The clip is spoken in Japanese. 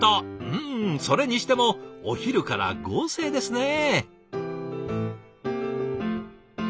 うんそれにしてもお昼から豪勢ですね！